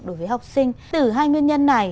đối với học sinh từ hai nguyên nhân này